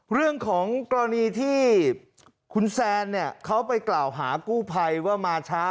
เรื่องของกรณีที่คุณแซนเนี่ยเขาไปกล่าวหากู้ภัยว่ามาช้า